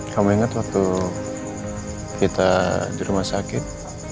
kamu ingat waktu kita di rumah sakit